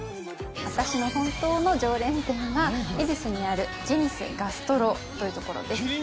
私の本当の常連店は恵比寿にあるジェニスガストロという所です。